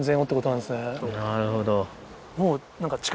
なるほど。